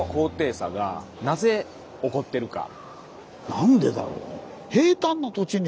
なんでだろう？